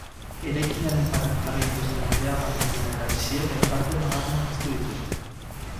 Eraikinaren parean jarri dituzten ondeamakina eta hesiek hainbaten alarmak piztu dituzte.